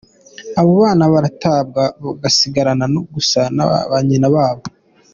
"Abo bana baratabwa, bagasigarana gusa na ba nyina babo.